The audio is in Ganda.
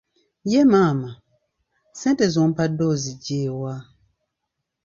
Ye maama, ssente z'ompadde ozigye wa?